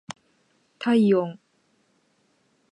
体温